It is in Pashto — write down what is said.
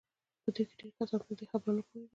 په دوی کې ډېر کسان پر دې خبره نه پوهېدل